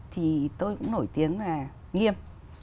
thì tôi cũng nổi tiếng là nghiêm